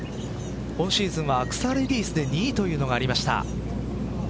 今シーズンはアクサレディスで２位というのがありました。